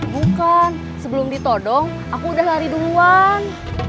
bukan sebelum ditodong aku udah lari duluan